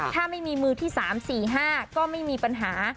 ถ้าไม่มีมือที่๓๔๕ก็ไม่มีปัญหา